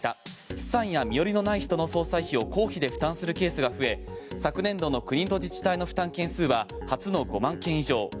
資産や身寄りのない人の葬祭費を公費で負担するケースが増え昨年度の国や自治体の負担金数は初の５万件以上